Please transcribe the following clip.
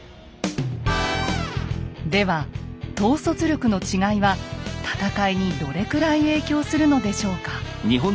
では統率力の違いは戦いにどれくらい影響するのでしょうか。